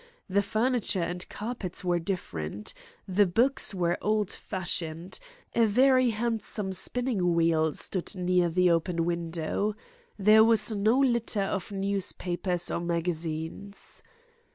The furniture and carpets were different. The books were old fashioned. A very handsome spinning wheel stood near the open window. There was no litter of newspapers or magazines.